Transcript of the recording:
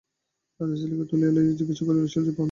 রাজা ছেলেকে তুলিয়া লইয়া জিজ্ঞাসা করিলেন, ছেলেটির বাপের নাম কী।